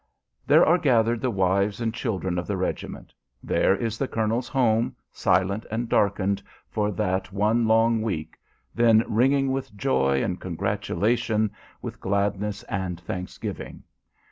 There are gathered the wives and children of the regiment. There is the colonel's home, silent and darkened for that one long week, then ringing with joy and congratulation, with gladness and thanksgiving.